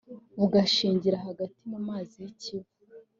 ugashingira hagati mu mazi y’i Kivu